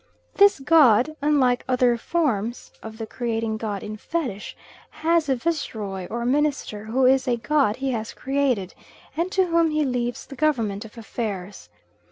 This god, unlike other forms of the creating god in Fetish, has a viceroy or minister who is a god he has created, and to whom he leaves the government of affairs.